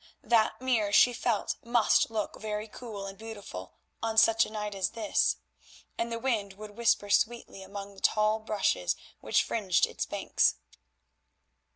That mere she felt must look very cool and beautiful on such a night as this, and the wind would whisper sweetly among the tall bulrushes which fringed its banks.